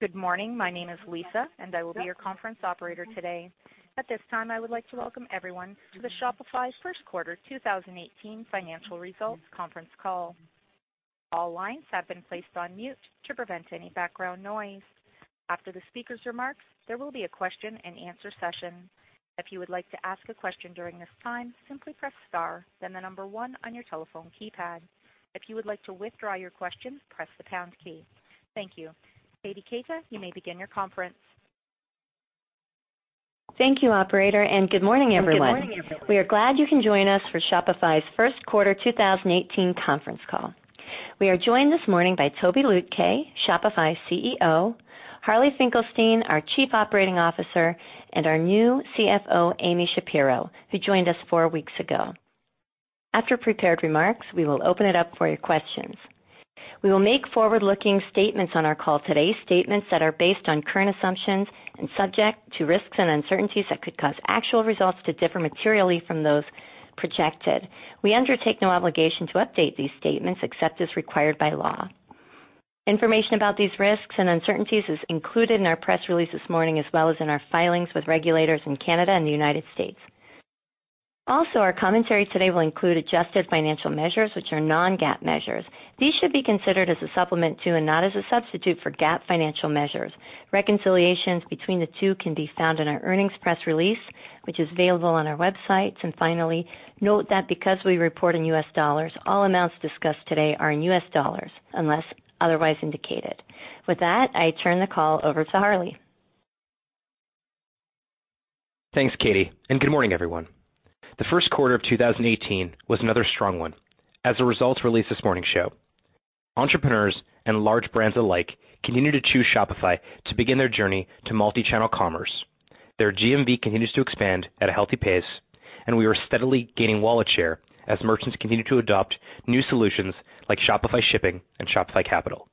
Good morning. My name is Lisa, and I will be your conference operator today. At this time, I would like to welcome everyone to the Shopify First Quarter 2018 Financial Results Conference Call. All lines have been placed on mute to prevent any background noise. After the speaker's remarks, there will be a question-and-answer session. If you would like to ask a question during this time, simply press star, then the number one on your telephone keypad. If you would like to withdraw your question, press the pound key. Thank you. Katie Keita, you may begin your conference. Thank you, operator, and good morning, everyone. We are glad you can join us for Shopify's First Quarter 2018 Conference Call. We are joined this morning by Tobi Lütke, Shopify's CEO, Harley Finkelstein, our Chief Operating Officer, and our new CFO, Amy Shapero, who joined us four weeks ago. After prepared remarks, we will open it up for your questions. We will make forward-looking statements on our call today, statements that are based on current assumptions and subject to risks and uncertainties that could cause actual results to differ materially from those projected. We undertake no obligation to update these statements except as required by law. Information about these risks and uncertainties is included in our press release this morning, as well as in our filings with regulators in Canada and the United States. Also, our commentary today will include adjusted financial measures which are non-GAAP measures. These should be considered as a supplement to and not as a substitute for GAAP financial measures. Reconciliations between the two can be found in our earnings press release, which is available on our websites. Finally, note that because we report in U.S. dollars, all amounts discussed today are in U.S. dollars unless otherwise indicated. With that, I turn the call over to Harley. Thanks, Katie. Good morning, everyone. The first quarter of 2018 was another strong one, as the results released this morning show. Entrepreneurs and large brands alike continue to choose Shopify to begin their journey to multi-channel commerce. Their GMV continues to expand at a healthy pace, and we are steadily gaining wallet share as merchants continue to adopt new solutions like Shopify Shipping and Shopify Capital.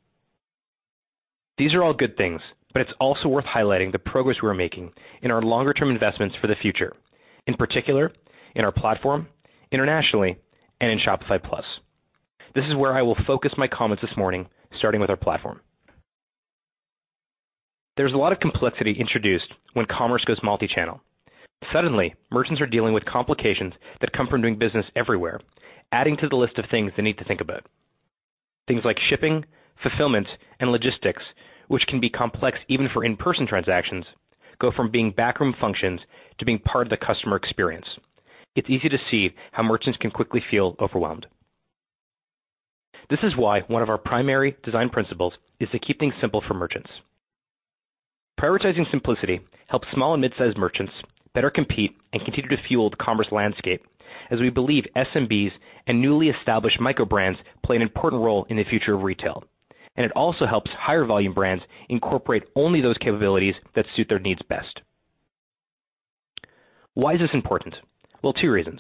These are all good things. It's also worth highlighting the progress we're making in our longer-term investments for the future, in particular in our platform, internationally, and in Shopify Plus. This is where I will focus my comments this morning, starting with our platform. There's a lot of complexity introduced when commerce goes multi-channel. Suddenly, merchants are dealing with complications that come from doing business everywhere, adding to the list of things they need to think about. Things like shipping, fulfillment, and logistics, which can be complex even for in-person transactions, go from being backroom functions to being part of the customer experience. It's easy to see how merchants can quickly feel overwhelmed. This is why one of our primary design principles is to keep things simple for merchants. Prioritizing simplicity helps small and mid-sized merchants better compete and continue to fuel the commerce landscape, as we believe SMBs and newly established micro brands play an important role in the future of retail. It also helps higher volume brands incorporate only those capabilities that suit their needs best. Why is this important? Well, two reasons.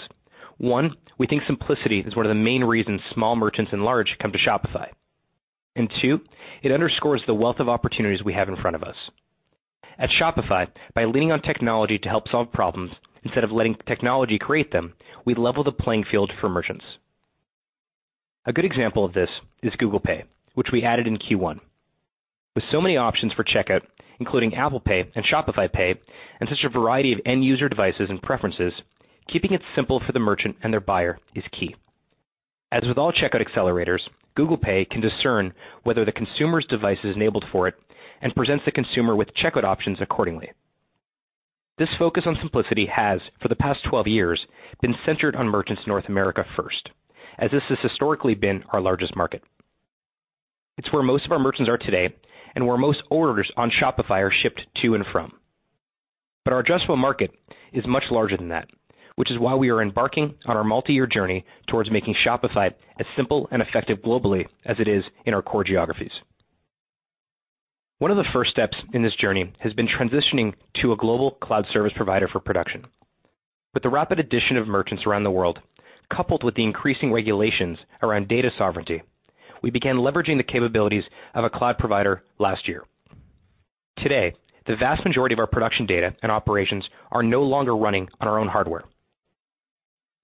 One, we think simplicity is one of the main reasons small merchants and large come to Shopify. Two, it underscores the wealth of opportunities we have in front of us. At Shopify, by leaning on technology to help solve problems instead of letting technology create them, we level the playing field for merchants. A good example of this is Google Pay, which we added in Q1. With so many options for checkout, including Apple Pay and Shopify Pay, and such a variety of end user devices and preferences, keeping it simple for the merchant and their buyer is key. As with all checkout accelerators, Google Pay can discern whether the consumer's device is enabled for it and presents the consumer with checkout options accordingly. This focus on simplicity has, for the past 12 years, been centered on merchants in North America first, as this has historically been our largest market. It's where most of our merchants are today, and where most orders on Shopify are shipped to and from. Our addressable market is much larger than that, which is why we are embarking on our multi-year journey towards making Shopify as simple and effective globally as it is in our core geographies. One of the first steps in this journey has been transitioning to a global cloud service provider for production. With the rapid addition of merchants around the world, coupled with the increasing regulations around data sovereignty, we began leveraging the capabilities of a cloud provider last year. Today, the vast majority of our production data and operations are no longer running on our own hardware.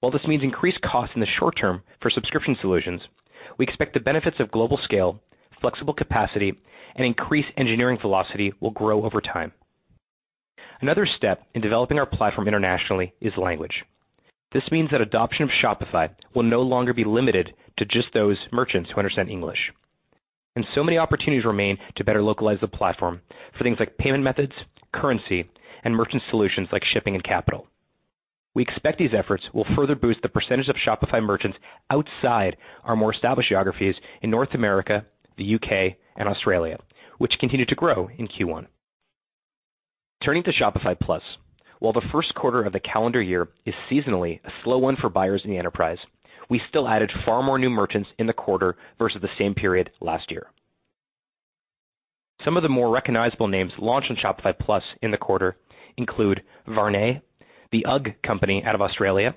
While this means increased cost in the short term for subscription solutions, we expect the benefits of global scale, flexible capacity, and increased engineering velocity will grow over time. Another step in developing our platform internationally is language. This means that adoption of Shopify will no longer be limited to just those merchants who understand English. Many opportunities remain to better localize the platform for things like payment methods, currency, and merchant solutions like shipping and capital. We expect these efforts will further boost the percentage of Shopify merchants outside our more established geographies in North America, the U.K., and Australia, which continued to grow in Q1. Turning to Shopify Plus. While the first quarter of the calendar year is seasonally a slow one for buyers in the enterprise, we still added far more new merchants in the quarter versus the same period last year. Some of the more recognizable names launched on Shopify Plus in the quarter include Varney, the UGG company out of Australia,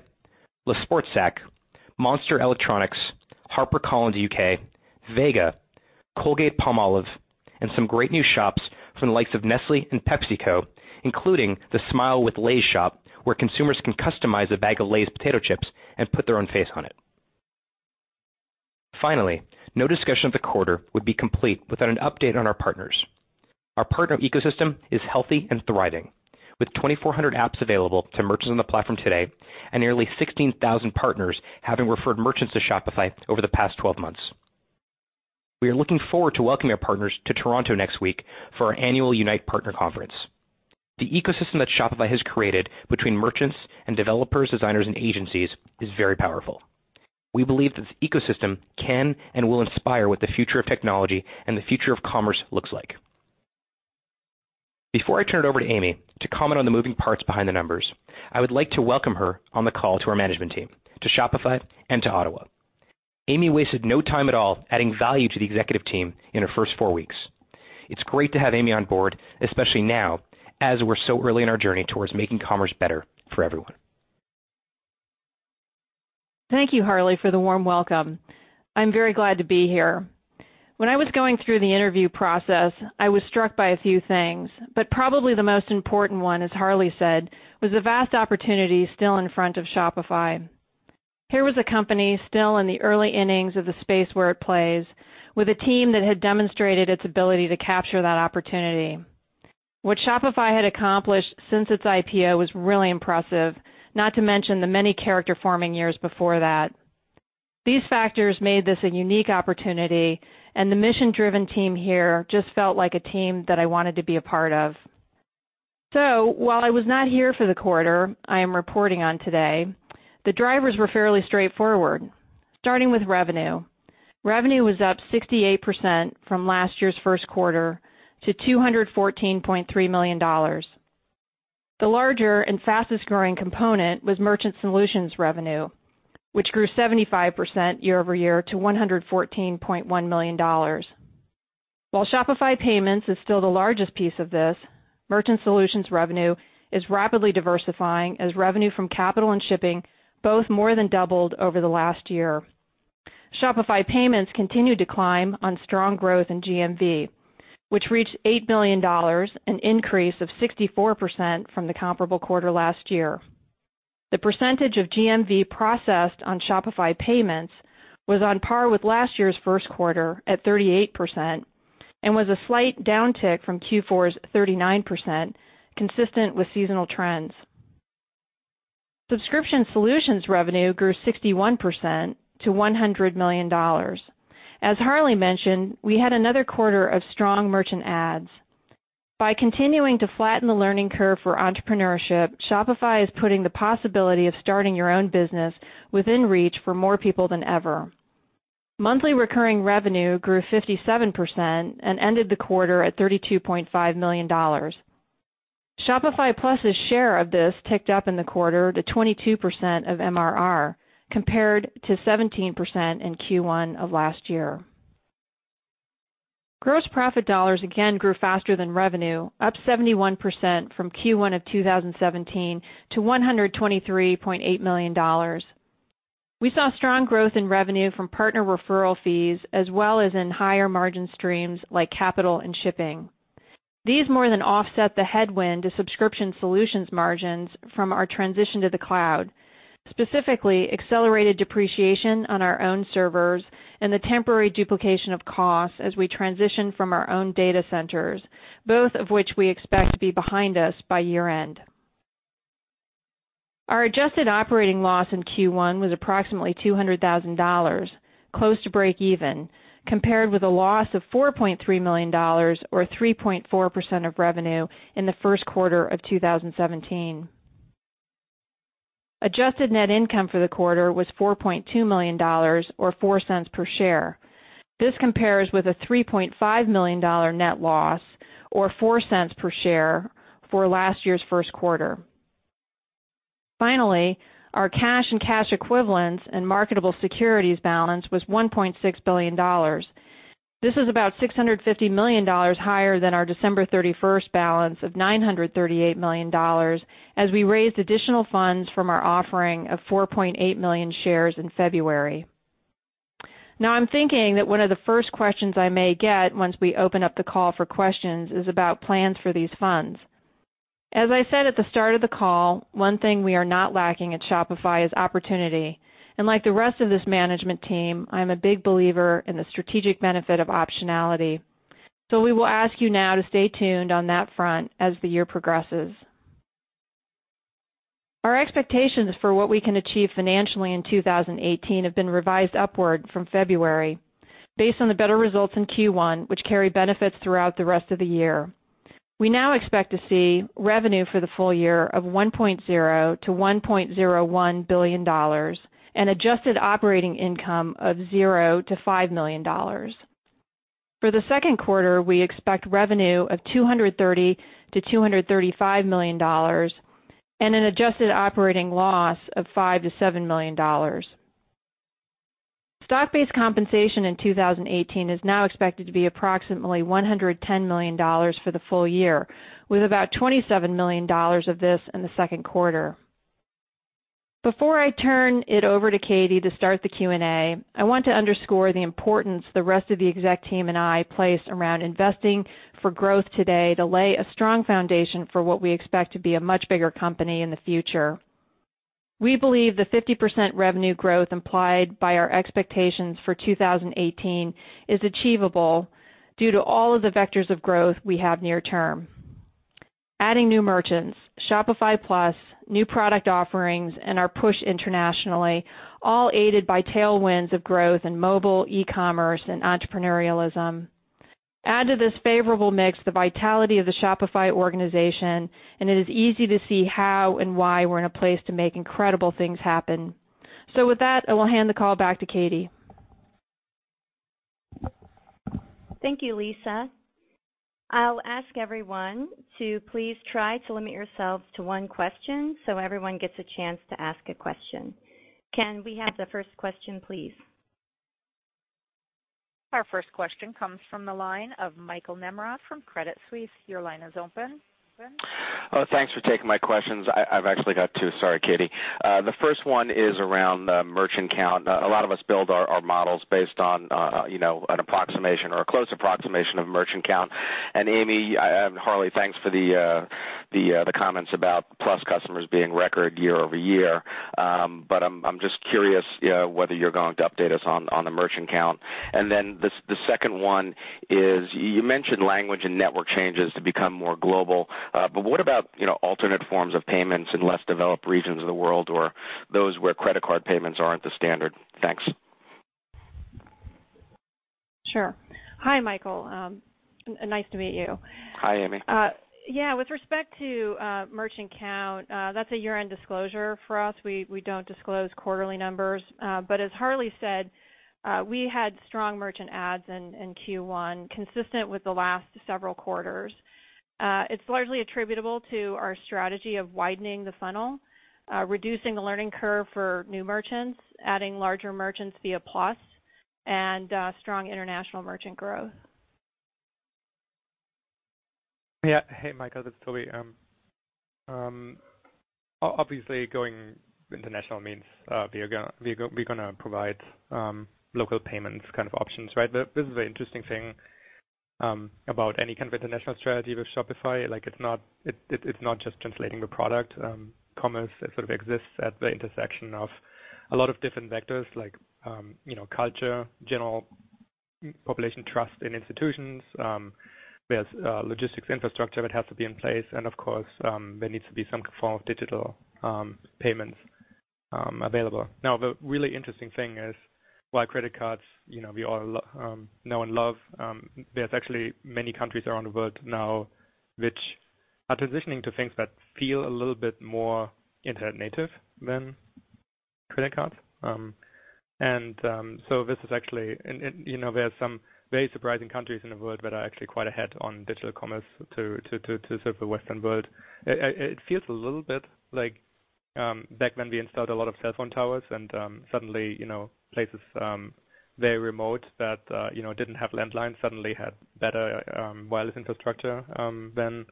LeSportsac, Monster Electronics, HarperCollins U.K., Vega, Colgate-Palmolive, and some great new shops from the likes of Nestlé and PepsiCo, including the Smile with Lay's shop, where consumers can customize a bag of Lay's potato chips and put their own face on it. Finally, no discussion of the quarter would be complete without an update on our partners. Our partner ecosystem is healthy and thriving, with 2,400 apps available to merchants on the platform today and nearly 16,000 partners having referred merchants to Shopify over the past 12 months. We are looking forward to welcoming our partners to Toronto next week for our annual Unite Partner Conference. The ecosystem that Shopify has created between merchants and developers, designers, and agencies is very powerful. We believe that this ecosystem can and will inspire what the future of technology and the future of commerce looks like. Before I turn it over to Amy to comment on the moving parts behind the numbers, I would like to welcome her on the call to our management team, to Shopify, and to Ottawa. Amy wasted no time at all adding value to the executive team in her first four weeks. It's great to have Amy on board, especially now as we're so early in our journey towards making commerce better for everyone. Thank you, Harley, for the warm welcome. I'm very glad to be here. When I was going through the interview process, I was struck by a few things, but probably the most important one, as Harley said, was the vast opportunity still in front of Shopify. Here was a company still in the early innings of the space where it plays with a team that had demonstrated its ability to capture that opportunity. What Shopify had accomplished since its IPO was really impressive, not to mention the many character-forming years before that. These factors made this a unique opportunity, and the mission-driven team here just felt like a team that I wanted to be a part of. While I was not here for the quarter I am reporting on today, the drivers were fairly straightforward. Starting with revenue. Revenue was up 68% from last year's first quarter to $214.3 million. The larger and fastest-growing component was merchant solutions revenue, which grew 75% year-over-year to $114.1 million. While Shopify Payments is still the largest piece of this, merchant solutions revenue is rapidly diversifying as revenue from Shopify Capital and Shopify Shipping both more than doubled over the last year. Shopify Payments continued to climb on strong growth in GMV, which reached $8 billion, an increase of 64% from the comparable quarter last year. The percentage of GMV processed on Shopify Payments was on par with last year's first quarter at 38% and was a slight downtick from Q4's 39%, consistent with seasonal trends. Subscription solutions revenue grew 61% to $100 million. As Harley mentioned, we had another quarter of strong merchant adds. By continuing to flatten the learning curve for entrepreneurship, Shopify is putting the possibility of starting your own business within reach for more people than ever. Monthly recurring revenue grew 57% and ended the quarter at $32.5 million. Shopify Plus' share of this ticked up in the quarter to 22% of MRR compared to 17% in Q1 of last year. Gross profit dollars again grew faster than revenue, up 71% from Q1 of 2017 to $123.8 million. We saw strong growth in revenue from partner referral fees as well as in higher margin streams like capital and shipping. These more than offset the headwind to subscription solutions margins from our transition to the cloud, specifically accelerated depreciation on our own servers and the temporary duplication of costs as we transition from our own data centers, both of which we expect to be behind us by year-end. Our adjusted operating loss in Q1 was approximately $200,000, close to breakeven, compared with a loss of $4.3 million or 3.4% of revenue in the first quarter of 2017. Adjusted net income for the quarter was $4.2 million or $0.04 per share. This compares with a $3.5 million net loss or $0.04 per share for last year's first quarter. Finally, our cash and cash equivalents and marketable securities balance was $1.6 billion. This is about $650 million higher than our December 31st balance of $938 million as we raised additional funds from our offering of 4.8 million shares in February. Now, I'm thinking that one of the first questions I may get once we open up the call for questions is about plans for these funds. As I said at the start of the call, one thing we are not lacking at Shopify is opportunity, and like the rest of this management team, I'm a big believer in the strategic benefit of optionality. We will ask you now to stay tuned on that front as the year progresses. Our expectations for what we can achieve financially in 2018 have been revised upward from February based on the better results in Q1, which carry benefits throughout the rest of the year. We now expect to see revenue for the full year of $1.0 billion - $1.01 billion and adjusted operating income of zero - $5 million. For 2Q, we expect revenue of $230 million - $235 million and an adjusted operating loss of $5 million - $7 million. Stock-based compensation in 2018 is now expected to be approximately $110 million for the full year, with about $27 million of this in 2Q. Before I turn it over to Katie to start the Q&A, I want to underscore the importance the rest of the exec team and I place around investing for growth today to lay a strong foundation for what we expect to be a much bigger company in the future. We believe the 50% revenue growth implied by our expectations for 2018 is achievable due to all of the vectors of growth we have near term. Adding new merchants, Shopify Plus, new product offerings, and our push internationally, all aided by tailwinds of growth in mobile e-commerce and entrepreneurialism. Add to this favorable mix the vitality of the Shopify organization, and it is easy to see how and why we're in a place to make incredible things happen. With that, I will hand the call back to Katie. Thank you, Lisa. I'll ask everyone to please try to limit yourselves to one question so everyone gets a chance to ask a question. Can we have the first question, please? Our first question comes from the line of Michael Nemeroff from Credit Suisse. Your line is open. Oh, thanks for taking my questions. I've actually got two. Sorry, Katie. The first one is around the merchant count. A lot of us build our models based on, you know, an approximation or a close approximation of merchant count. Amy and Harley Finkelstein, thanks for the comments about Plus customers being record year-over-year. I'm just curious, you know, whether you're going to update us on the merchant count. Then the second one is you mentioned language and network changes to become more global. What about, you know, alternate forms of payments in less developed regions of the world or those where credit card payments aren't the standard? Thanks. Sure. Hi, Michael. Nice to meet you. Hi, Amy. Yeah, with respect to merchant count, that's a year-end disclosure for us. We don't disclose quarterly numbers. As Harley said, we had strong merchant adds in Q1, consistent with the last several quarters. It's largely attributable to our strategy of widening the funnel, reducing the learning curve for new merchants, adding larger merchants via Plus and strong international merchant growth. Yeah. Hey, Michael, this is Tobi. Obviously, going international means we're gonna provide local payments kind of options, right? This is the interesting thing about any kind of international strategy with Shopify, like it's not just translating the product. Commerce, it sort of exists at the intersection of a lot of different vectors like, you know, culture, general population trust in institutions. There's logistics infrastructure that has to be in place, and of course, there needs to be some form of digital payments available. Now, the really interesting thing is why credit cards, you know, we all know and love, there's actually many countries around the world now which are transitioning to things that feel a little bit more internet native than credit cards. This is actually, you know, there are some very surprising countries in the world that are actually quite ahead on digital commerce to serve the Western world. It feels a little bit like, back when we installed a lot of cell phone towers and, suddenly, you know, places, very remote that, you know, didn't have landlines suddenly had better, wireless infrastructure, than,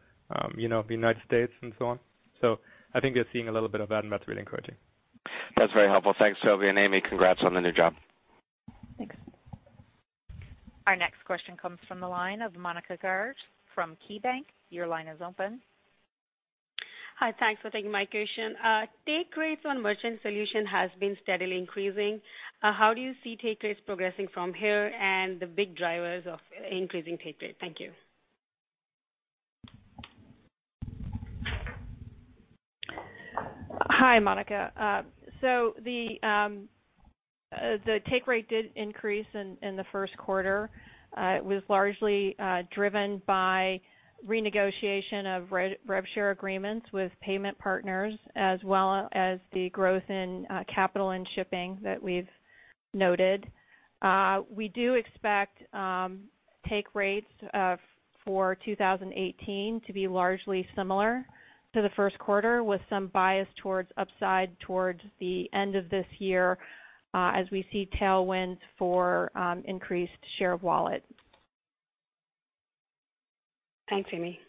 you know, the United States and so on. I think you're seeing a little bit of that, and that's really encouraging. That's very helpful. Thanks, Tobi. Amy, congrats on the new job. Thanks. Our next question comes from the line of Monika Garg from KeyBank. Your line is open. Hi. Thanks for taking my question. Take rates on Merchant Solutions has been steadily increasing. How do you see take rates progressing from here and the big drivers of increasing take rate? Thank you. Hi, Monika. The take rate did increase in the first quarter. It was largely driven by renegotiation of rev share agreements with payment partners as well as the growth in Shopify Capital and Shopify Shipping that we've noted. We do expect take rates for 2018 to be largely similar to the first quarter, with some bias towards upside towards the end of this year, as we see tailwinds for increased share of wallet. Thanks, Amy.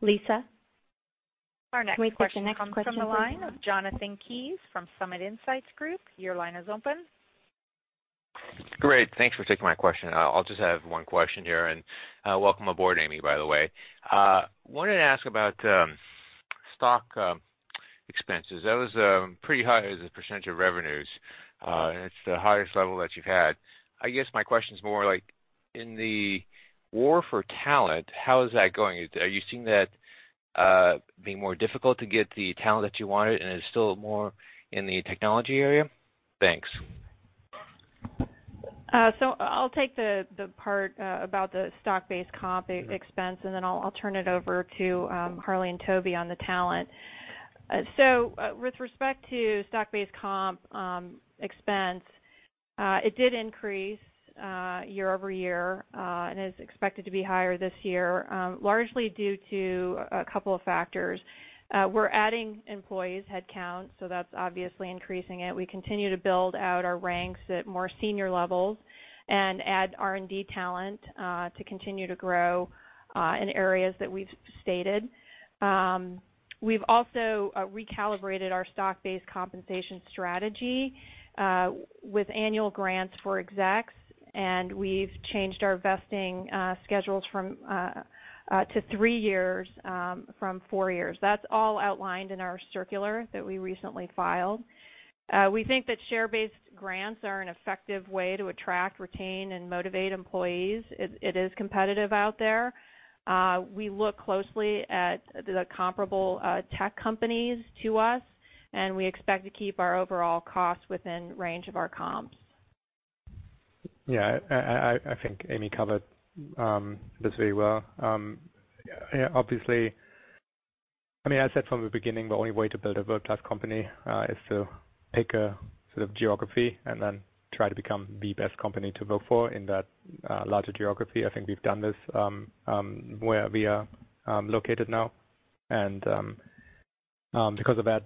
Lisa. Our next question- Should we take the next question from? comes from the line of Jonathan Kees from Summit Insights Group. Your line is open. Great. Thanks for taking my question. I'll just have one question here. Welcome aboard, Amy, by the way. Wanted to ask about stock expenses. That was pretty high as a percentage of revenues. It's the highest level that you've had. I guess my question is more like, in the war for talent, how is that going? Are you seeing that being more difficult to get the talent that you wanted, and is still more in the technology area? Thanks. I'll take the part about the stock-based comp expense, and then I'll turn it over to Harley and Tobi on the talent. With respect to stock-based comp expense. It did increase year-over-year and is expected to be higher this year, largely due to a couple of factors. We're adding employees headcount, that's obviously increasing it. We continue to build out our ranks at more senior levels and add R&D talent to continue to grow in areas that we've stated. We've also recalibrated our stock-based compensation strategy with annual grants for execs, and we've changed our vesting schedules from to three years from four years. That's all outlined in our circular that we recently filed. We think that share-based grants are an effective way to attract, retain, and motivate employees. It is competitive out there. We look closely at the comparable tech companies to us, and we expect to keep our overall costs within range of our comps. Yeah. I think Amy covered this very well. Obviously I mean, I said from the beginning, the only way to build a world-class company is to pick a sort of geography and then try to become the best company to work for in that larger geography. I think we've done this where we are located now. Because of that,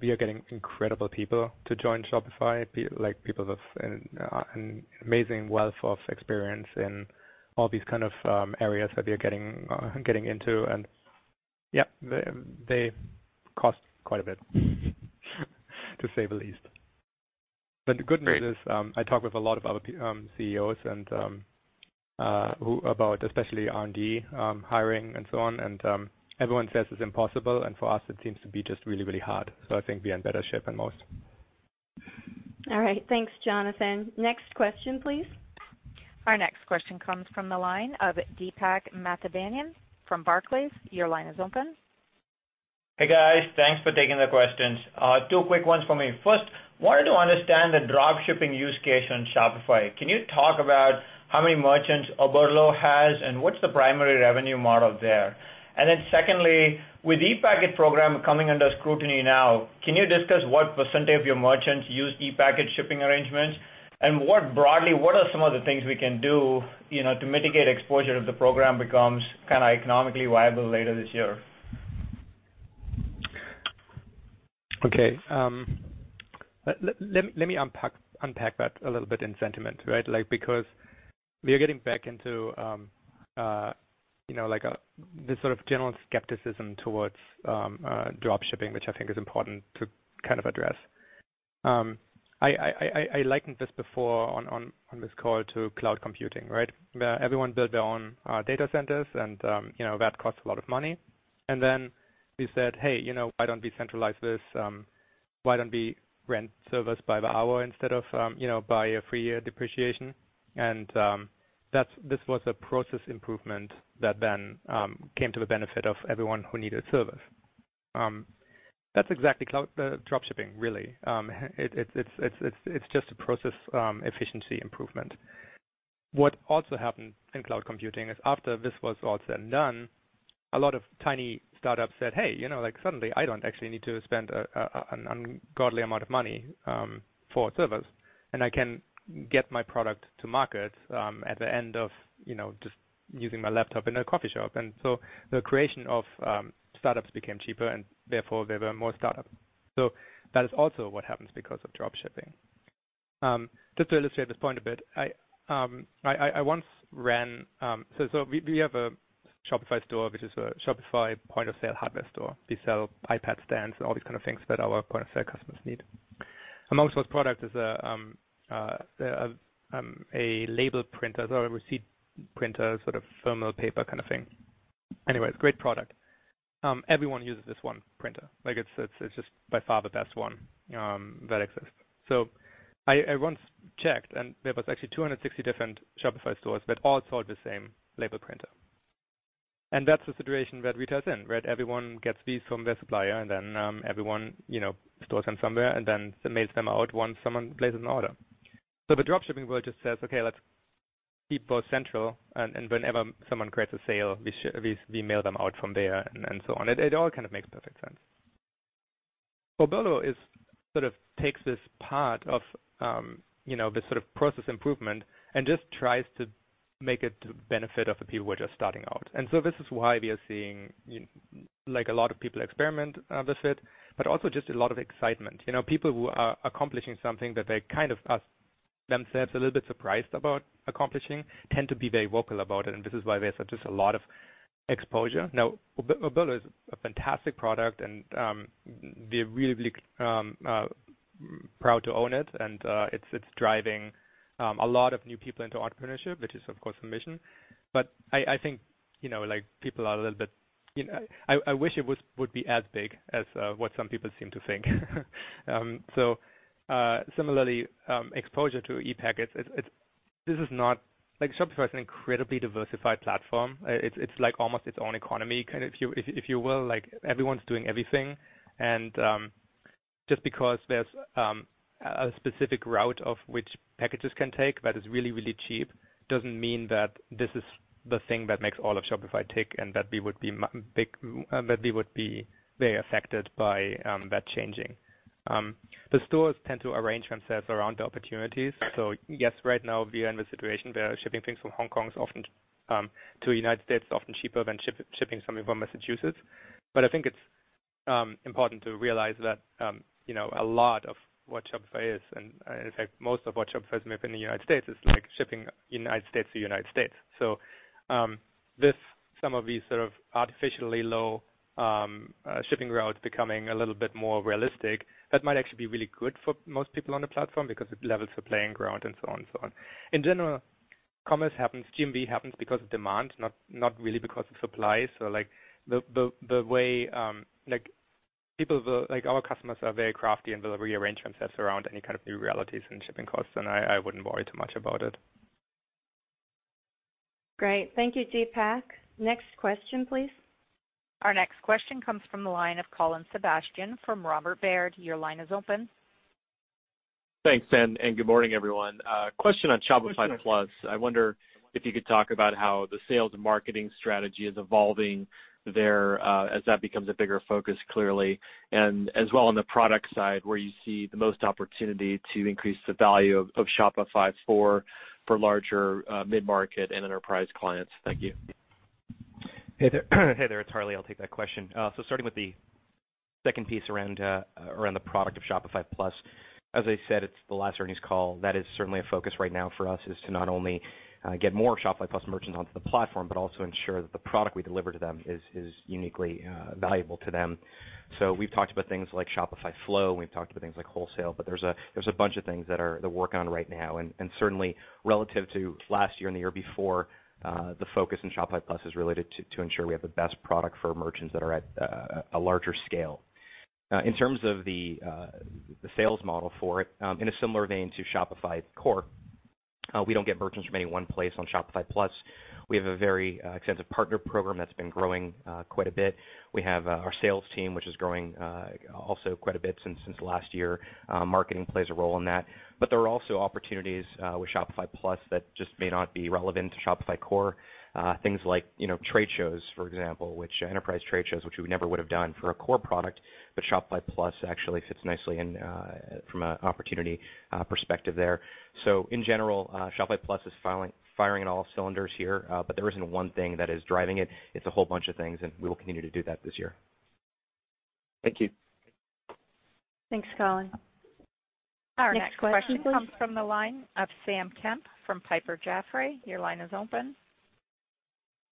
we are getting incredible people to join Shopify, like people with an amazing wealth of experience in all these kind of areas that we are getting into. Yep, they cost quite a bit to say the least. The good news is, I talk with a lot of other CEOs and who about especially R&D, hiring and so on, and everyone says it's impossible, and for us it seems to be just really, really hard. I think we are in better shape than most. All right. Thanks, Jonathan. Next question, please. Our next question comes from the line of Deepak Mathivanan from Barclays. Your line is open. Hey, guys. Thanks for taking the questions. Two quick ones for me. First, wanted to understand the dropshipping use case on Shopify. Can you talk about how many merchants Oberlo has, and what's the primary revenue model there? Secondly, with ePacket program coming under scrutiny now, can you discuss what % of your merchants use ePacket shipping arrangements? What broadly, what are some of the things we can do, you know, to mitigate exposure if the program becomes kind of economically viable later this year? Let me unpack that a little bit in sentiment, right? Like, because we are getting back into, you know, like a, this sort of general skepticism towards dropshipping, which I think is important to kind of address. I likened this before on this call to cloud computing, right? Where everyone built their own data centers and, you know, that cost a lot of money. We said, "Hey, you know, why don't we centralize this? Why don't we rent servers by the hour instead of, you know, by a three year depreciation?" This was a process improvement that then came to the benefit of everyone who needed servers. That's exactly cloud dropshipping really. It's just a process efficiency improvement. What also happened in cloud computing is after this was all said and done, a lot of tiny startups said, "Hey, you know, like suddenly I don't actually need to spend an ungodly amount of money for servers, and I can get my product to market at the end of, you know, just using my laptop in a coffee shop." The creation of startups became cheaper and therefore there were more startups. That is also what happens because of dropshipping. Just to illustrate this point a bit, we have a Shopify store, which is a Shopify Point-of-Sale hardware store. We sell iPad stands and all these kind of things that our Point-of-Sale customers need. Among those products is a label printer or a receipt printer, sort of thermal paper kind of thing. Anyway, it's a great product. Everyone uses this one printer. Like it's just by far the best one that exists. I once checked and there was actually 260 different Shopify stores that all sold the same label printer, and that's the situation that retail's in, right? Everyone gets these from their supplier and then everyone, you know, stores them somewhere and then mails them out once someone places an order. The dropshipping world just says, "Okay, let's keep those central and whenever someone creates a sale, we mail them out from there and so on." It all kind of makes perfect sense. Oberlo is sort of takes this part of, you know, this sort of process improvement and just tries to make it to benefit of the people who are just starting out. This is why we are seeing, like a lot of people experiment, with it, but also just a lot of excitement. You know, people who are accomplishing something that they kind of are themselves a little bit surprised about accomplishing tend to be very vocal about it, and this is why there's just a lot of exposure. Oberlo is a fantastic product and, we are really, really, proud to own it and, it's driving, a lot of new people into entrepreneurship, which is of course the mission. I think, you know, like people are a little bit, you know, I wish it would be as big as what some people seem to think. Similarly, exposure to ePacket, This is not. Like, Shopify is an incredibly diversified platform. It's like almost its own economy, kind of, if you will. Like, everyone's doing everything and just because there's a specific route of which packages can take that is really, really cheap doesn't mean that this is the thing that makes all of Shopify tick and that we would be big, that we would be very affected by that changing. The stores tend to arrange themselves around the opportunities. Yes, right now we are in the situation where shipping things from Hong Kong is often to United States is often cheaper than shipping something from Massachusetts. I think it's important to realize that, you know, a lot of what Shopify is, in fact, most of what Shopify is maybe in the United States is like shipping United States to United States. This, some of these sort of artificially low shipping routes becoming a little bit more realistic, that might actually be really good for most people on the platform because it levels the playing ground and so on and so on. In general, commerce happens, GMV happens because of demand, not really because of supply. Like the way, like people, like our customers are very crafty and they'll rearrange themselves around any kind of new realities and shipping costs, and I wouldn't worry too much about it. Great. Thank you, Deepak. Next question, please. Our next question comes from the line of Colin Sebastian from Robert Baird. Your line is open. Thanks, and good morning, everyone. Question on Shopify Plus. I wonder if you could talk about how the sales and marketing strategy is evolving there, as that becomes a bigger focus, clearly. As well on the product side, where you see the most opportunity to increase the value of Shopify for larger, mid-market and enterprise clients. Thank you. Hey there, it's Harley. I'll take that question. Starting with the second piece around the product of Shopify Plus. As I said, it's the last earnings call. That is certainly a focus right now for us, is to not only get more Shopify Plus merchants onto the platform, but also ensure that the product we deliver to them is uniquely valuable to them. We've talked about things like Shopify Flow, and we've talked about things like wholesale, but there's a bunch of things that are, they're working on right now. Certainly relative to last year and the year before, the focus in Shopify Plus is related to ensure we have the best product for merchants that are at a larger scale. In terms of the sales model for it, in a similar vein to Shopify Core, we don't get merchants from any one place on Shopify Plus. We have a very extensive partner program that's been growing quite a bit. We have our sales team, which is growing also quite a bit since last year. Marketing plays a role in that. There are also opportunities with Shopify Plus that just may not be relevant to Shopify Core. Things like, you know, trade shows, for example, which enterprise trade shows, which we never would have done for a core product, Shopify Plus actually fits nicely in from a opportunity perspective there. In general, Shopify Plus is firing on all cylinders here. There isn't one thing that is driving it. It's a whole bunch of things. We will continue to do that this year. Thank you. Thanks, Colin. Next question, please. Our next question comes from the line of Sam Kemp from Piper Jaffray. Your line is open.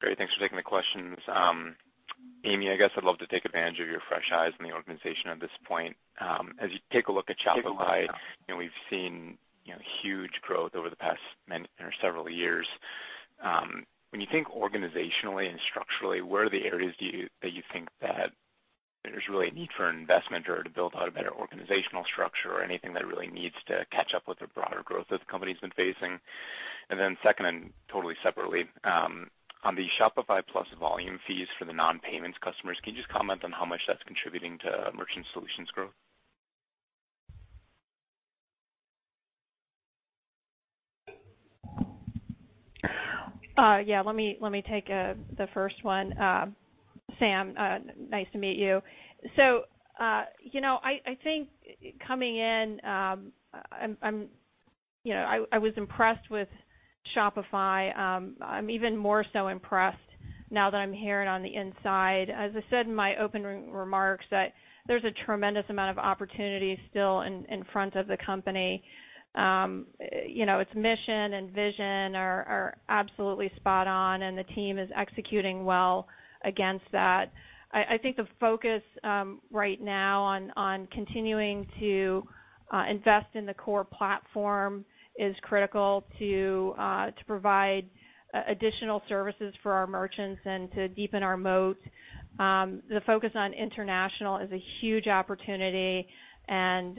Great. Thanks for taking the questions. Amy, I guess I'd love to take advantage of your fresh eyes in the organization at this point. As you take a look at Shopify, you know, we've seen, you know, huge growth over the past many or several years. When you think organizationally and structurally, where are the areas do you, that you think that there's really a need for investment or to build out a better organizational structure or anything that really needs to catch up with the broader growth that the company's been facing? Second, and totally separately, on the Shopify Plus volume fees for the non-payments customers, can you just comment on how much that's contributing to merchant solutions growth? Yeah, let me take the first one. Sam, nice to meet you. You know, I think coming in, I'm, you know, I was impressed with Shopify. I'm even more so impressed now that I'm here and on the inside. As I said in my opening remarks, that there's a tremendous amount of opportunity still in front of the company. You know, its mission and vision are absolutely spot on, and the team is executing well against that. I think the focus right now on continuing to invest in the core platform is critical to provide additional services for our merchants and to deepen our moat. The focus on international is a huge opportunity and,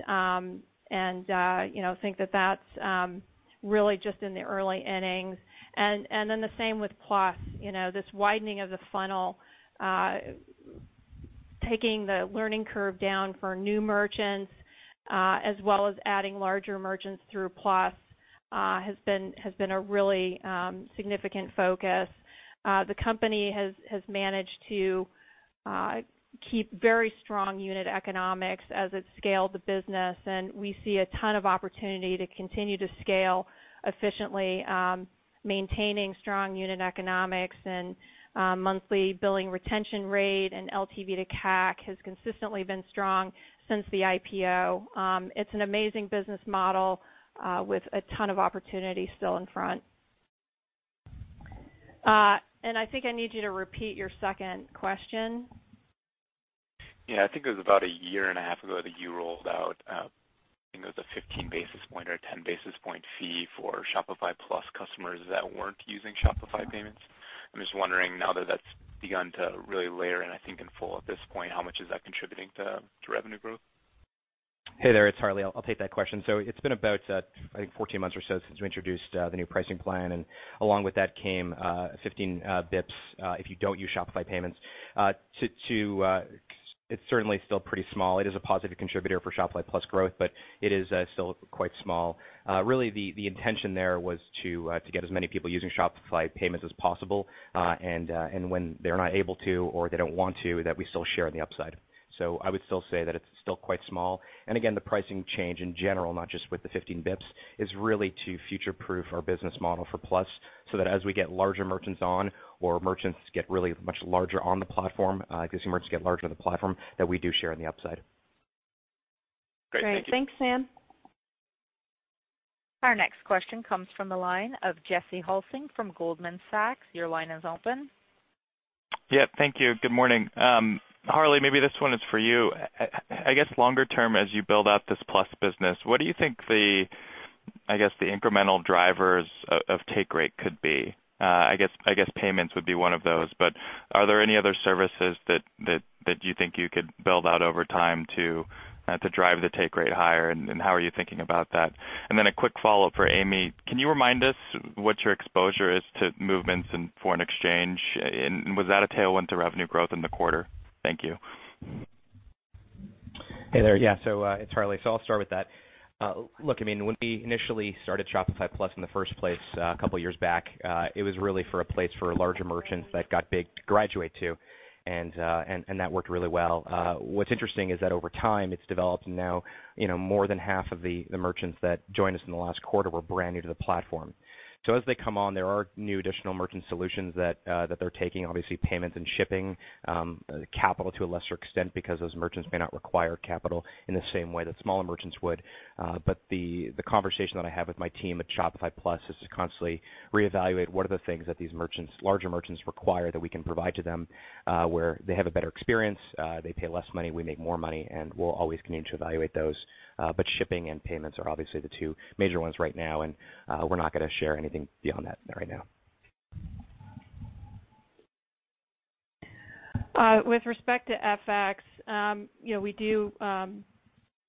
you know, think that that's really just in the early innings. Then the same with Plus. You know, this widening of the funnel, taking the learning curve down for new merchants, as well as adding larger merchants through Plus, has been a really significant focus. The company has managed to keep very strong unit economics as it's scaled the business, and we see a ton of opportunity to continue to scale efficiently, maintaining strong unit economics and monthly billing retention rate and LTV to CAC has consistently been strong since the IPO. It's an amazing business model, with a ton of opportunity still in front. I think I need you to repeat your second question. Yeah. I think it was about a year and a half ago that you rolled out, I think it was a 15 bips or a 10 bips fee for Shopify Plus customers that weren't using Shopify Payments. I'm just wondering now that that's begun to really layer in, I think in full at this point, how much is that contributing to revenue growth? Hey there, it's Harley. I'll take that question. It's been about, I think 14 months or so since we introduced the new pricing plan, and along with that came 15 bips if you don't use Shopify Payments. It's certainly still pretty small. It is a positive contributor for Shopify Plus growth, but it is still quite small. Really the intention there was to get as many people using Shopify Payments as possible. When they're not able to or they don't want to, that we still share in the upside. I would still say that it's still quite small. Again, the pricing change in general, not just with the 15 bips, is really to future-proof our business model for Plus, so that as we get larger merchants on or merchants get really much larger on the platform, existing merchants get larger on the platform, that we do share in the upside. Great. Thank you. Great. Thanks, Sam. Our next question comes from the line of Jesse Hulsing from Goldman Sachs. Your line is open. Yeah. Thank you. Good morning. Harley, maybe this one is for you. I guess longer term, as you build out this Shopify Plus business, what do you think the, I guess, the incremental drivers of take rate could be? I guess payments would be one of those, but are there any other services that you think you could build out over time to drive the take rate higher, and how are you thinking about that? A quick follow-up for Amy. Can you remind us what your exposure is to movements in foreign exchange? Was that a tailwind to revenue growth in the quarter? Thank you. Hey there. Yeah, it's Harley. I'll start with that. Look, I mean, when we initially started Shopify Plus in the first place, a couple years back, it was really for a place for larger merchants that got big to graduate to, and that worked really well. What's interesting is that over time, it's developed now, you know, more than half of the merchants that joined us in the last quarter were brand new to the platform. As they come on, there are new additional merchant solutions that they're taking, obviously payments and shipping, capital to a lesser extent because those merchants may not require capital in the same way that smaller merchants would. The conversation that I have with my team at Shopify Plus is to constantly reevaluate what are the things that these merchants, larger merchants require that we can provide to them, where they have a better experience, they pay less money, we make more money, and we'll always continue to evaluate those. Shipping and payments are obviously the two major ones right now, and we're not gonna share anything beyond that right now. With respect to FX, you know, we do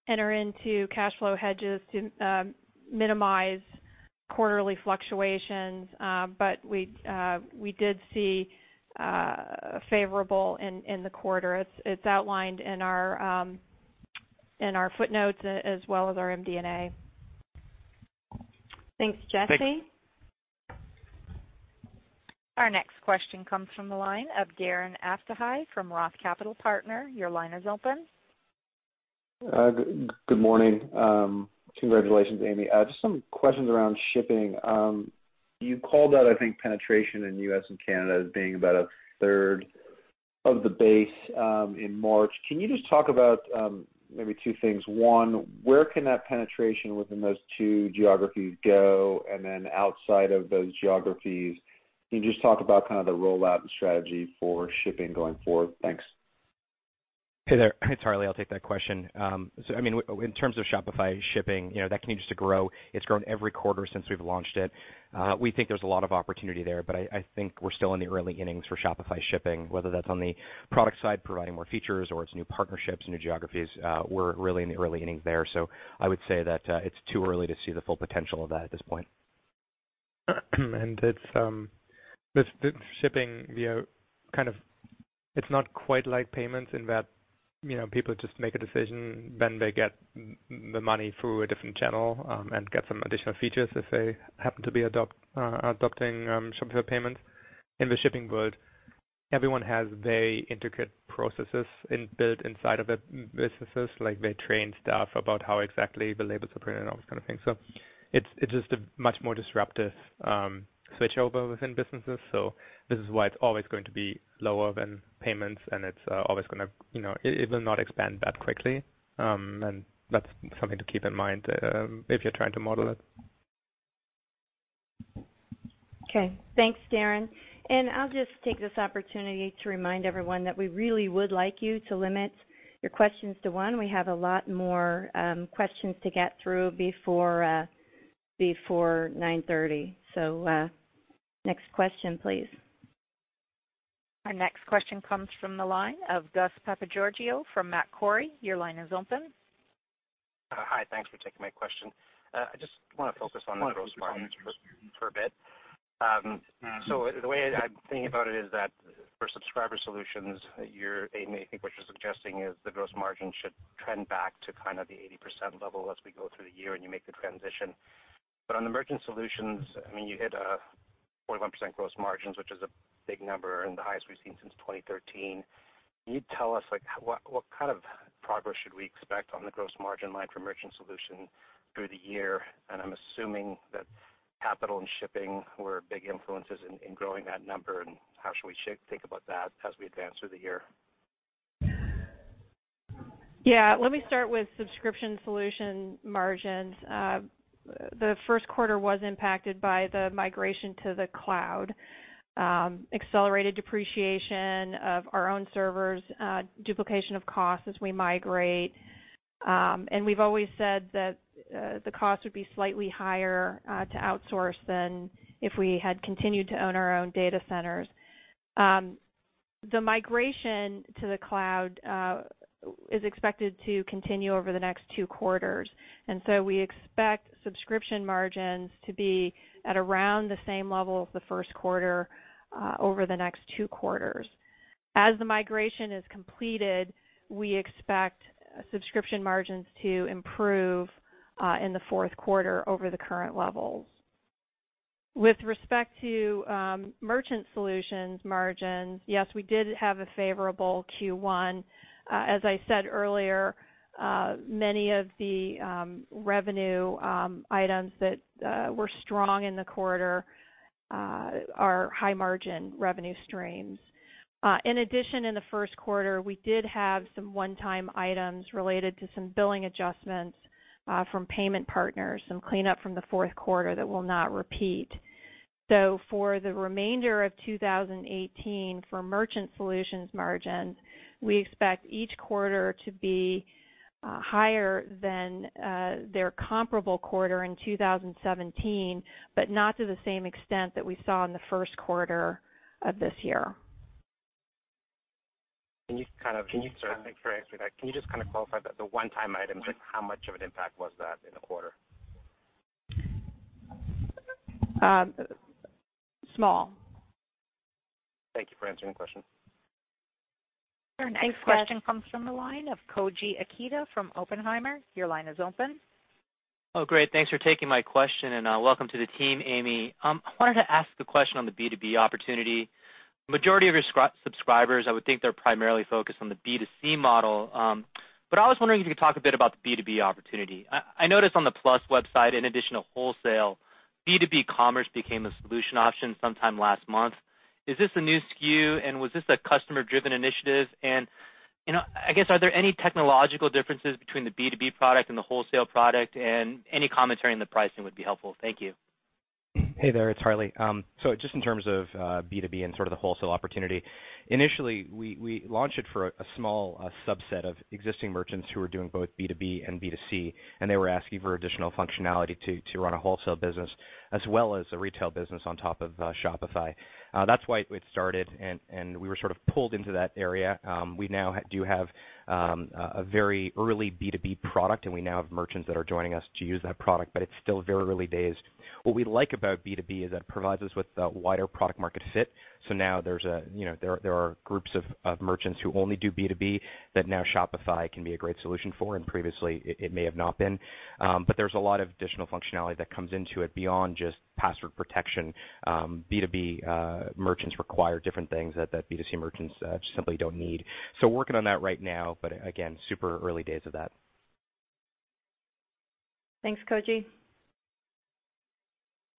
enter into cash flow hedges to minimize quarterly fluctuations, but we did see favorable in the quarter. It's outlined in our footnotes as well as our MD&A. Thanks, Jesse. Thank- Our next question comes from the line of Darren Aftahi from Roth Capital Partners. Your line is open. Good morning. Congratulations, Amy. Just some questions around shipping. You called out, I think, penetration in U.S. and Canada as being about a third of the base in March. Can you just talk about maybe two things? One, where can that penetration within those two geographies go? Outside of those geographies, can you just talk about kind of the rollout and strategy for shipping going forward? Thanks. Hey there. It's Harley, I'll take that question. I mean, in terms of Shopify Shipping, you know, that continues to grow. It's grown every quarter since we've launched it. We think there's a lot of opportunity there, but I think we're still in the early innings for Shopify Shipping, whether that's on the product side, providing more features or it's new partnerships, new geographies. We're really in the early innings there. I would say that it's too early to see the full potential of that at this point. It's with shipping, we are kind of, it's not quite like payments in that, you know, people just make a decision, then they get the money through a different channel, and get some additional features if they happen to be adopting Shopify Payments. In the shipping world, everyone has their intricate processes in-built inside of their businesses, like they train staff about how exactly the labels are printed and all those kind of things. It's just a much more disruptive switchover within businesses. This is why it's always going to be lower than payments, and it's always gonna, you know, it will not expand that quickly. That's something to keep in mind, if you're trying to model it. Okay. Thanks, Darren. I'll just take this opportunity to remind everyone that we really would like you to limit your questions to one. We have a lot more questions to get through before 9:30. Next question, please. Our next question comes from the line of Gus Papageorgiou from Macquarie. Your line is open. Hi. Thanks for taking my question. I just want to focus on the gross margin for a bit. The way I'm thinking about it is that for subscriber solutions, Amy, I think what you're suggesting is the gross margin should trend back to kind of the 80% level as we go through the year and you make the transition. On the merchant solutions, I mean, you hit 41% gross margins, which is a big number and the highest we've seen since 2013. Can you tell us, like, what kind of progress should we expect on the gross margin line for merchant solution through the year? I'm assuming that capital and shipping were big influences in growing that number, and how should we think about that as we advance through the year? Yeah. Let me start with subscription solution margins. The first quarter was impacted by the migration to the cloud, accelerated depreciation of our own servers, duplication of costs as we migrate. We've always said that the cost would be slightly higher to outsource than if we had continued to own our own data centers. The migration to the cloud is expected to continue over the next two quarters. We expect subscription margins to be at around the same level as the first quarter over the next two quarters. As the migration is completed, we expect subscription margins to improve in the fourth quarter over the current levels. With respect to merchant solutions margins, yes, we did have a favorable Q1. As I said earlier, many of the revenue items that were strong in the quarter are high margin revenue streams. In addition, in the first quarter, we did have some one-time items related to some billing adjustments from payment partners, some cleanup from the fourth quarter that will not repeat. For the remainder of 2018, for merchant solutions margins, we expect each quarter to be higher than their comparable quarter in 2017, but not to the same extent that we saw in the first quarter of this year. Can you kind of..Can you sort of..Thanks for answering that. Can you just kind of qualify that, the one-time items, like how much of an impact was that in the quarter? Small. Thank you for answering the question. Our next question comes from the line of Koji Ikeda from Oppenheimer. Your line is open. Great. Thanks for taking my question, and welcome to the team, Amy. I wanted to ask a question on the B2B opportunity. Majority of your subscribers, I would think they're primarily focused on the B2C model. I was wondering if you could talk a bit about the B2B opportunity. I noticed on the Plus website, in addition to wholesale, B2B commerce became a solution option sometime last month. Is this a new SKU, and was this a customer-driven initiative? You know, I guess, are there any technological differences between the B2B product and the wholesale product? Any commentary on the pricing would be helpful. Thank you. Hey there, it's Harley. Just in terms of B2B and sort of the wholesale opportunity, initially, we launched it for a small subset of existing merchants who were doing both B2B and B2C, and they were asking for additional functionality to run a wholesale business as well as a retail business on top of Shopify. That's why it started and we were sort of pulled into that area. We now do have a very early B2B product, and we now have merchants that are joining us to use that product, but it's still very early days. What we like about B2B is that it provides us with a wider product market fit. Now, you know, there are groups of merchants who only do B2B that now Shopify can be a great solution for, and previously it may have not been. There's a lot of additional functionality that comes into it beyond just password protection. B2B merchants require different things that B2C merchants simply don't need. Working on that right now, but again, super early days of that. Thanks, Koji.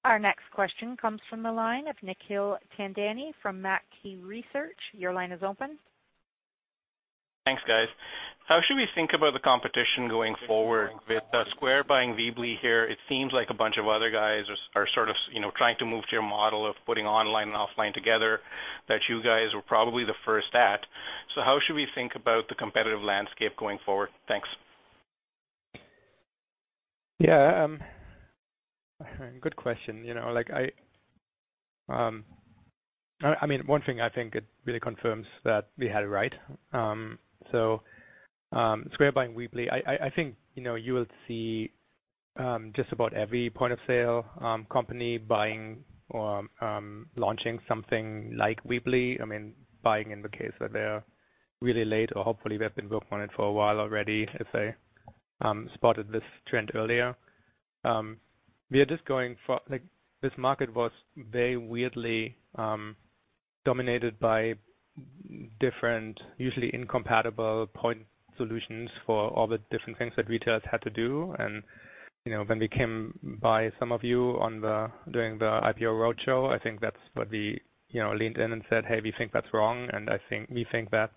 Our next question comes from the line of Nikhil Thadani from Mackie Research. Your line is open. Thanks, guys. How should we think about the competition going forward? With Square buying Weebly here, it seems like a bunch of other guys are sort of, you know, trying to move to your model of putting online and offline together that you guys were probably the first at. How should we think about the competitive landscape going forward? Thanks. Yeah, good question. You know, like I mean, one thing I think it really confirms that we had it right. Square buying Weebly, I think, you know, you will see just about every point-of-sale company buying or launching something like Weebly. I mean, buying in the case that they're really late, or hopefully they have been working on it for a while already if they spotted this trend earlier. Like, this market was very weirdly dominated by different, usually incompatible point solutions for all the different things that retailers had to do. You know, when we came by some of you on the, during the IPO roadshow, I think that's what we, you know, leaned in and said, "Hey, we think that's wrong." I think we think that,